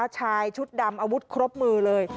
ชายชุดดำอาวุธครบมือเลย